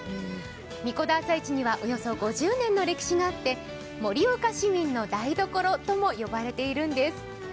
神子田朝市にはおよそ５０年の歴史があって盛岡市民の台所とも呼ばれているんです。